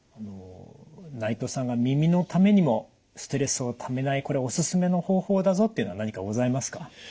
内藤さんが耳のためにもストレスをためないこれおすすめの方法だぞっていうのは何かございますか。